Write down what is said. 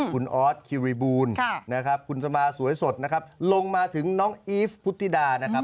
คุณออสคิวริบูลคุณสมาสวยสดลงมาถึงน้องอีฟปุตติดา